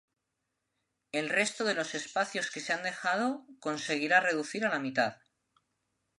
El resto de los espacios que se han dejado conseguirá reducir a la mitad.